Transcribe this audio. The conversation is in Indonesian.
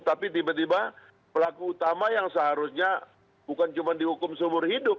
tapi tiba tiba pelaku utama yang seharusnya bukan cuma dihukum seumur hidup